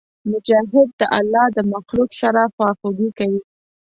مجاهد د الله د مخلوق سره خواخوږي کوي.